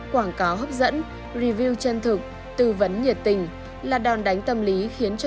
quảng cáo hấp dẫn review chân thực tư vấn nhiệt tình là đòn đánh tâm lý khiến cho